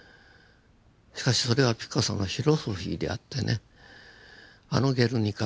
しかしそれはピカソのフィロソフィーであってねあの「ゲルニカ」